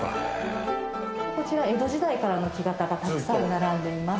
こちら江戸時代からの木型がたくさん並んでいます。